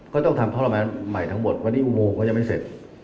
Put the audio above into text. ก็ต้องทำทรมานใหม่ทั้งหมดวันนี้อุโมงก็ยังไม่เสร็จ